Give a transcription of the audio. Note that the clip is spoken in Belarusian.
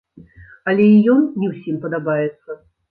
Але і ён не ўсім падабаецца.